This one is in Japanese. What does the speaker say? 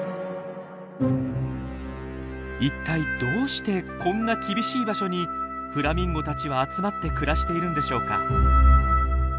一体どうしてこんな厳しい場所にフラミンゴたちは集まって暮らしているんでしょうか。